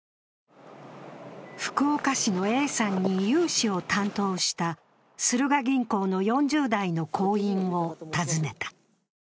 福岡市のＡさんに融資を担当したスルガ銀行の４０代の行員を訪ねた。